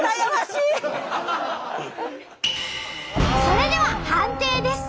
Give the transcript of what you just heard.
それでは判定です。